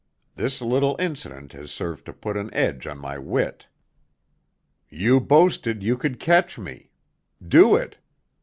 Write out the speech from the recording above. This little incident has served to put an edge on my wit. You boasted you could catch me—do it!